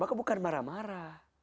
maka bukan marah marah